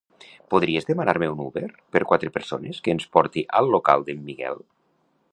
Podries demanar-me un Uber per quatre persones que ens porti al local d'en Miguel?